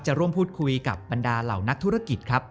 ร่วมพูดคุยกับบรรดาเหล่านักธุรกิจครับ